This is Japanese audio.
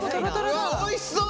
うわっおいしそう！